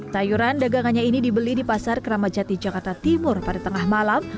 sayuran dagangannya ini dibeli di pasar keramajati jakarta timur pada tengah malam